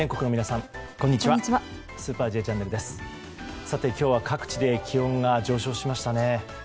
さて、今日は各地で気温が上昇しましたね。